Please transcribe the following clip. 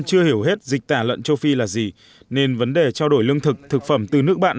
chưa hiểu hết dịch tả lợn châu phi là gì nên vấn đề trao đổi lương thực thực phẩm từ nước bạn